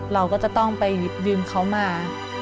เราก็จะต้องไปหยิบยืมเขามา